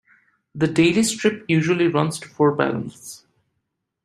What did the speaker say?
The daily strip usually runs to four panels.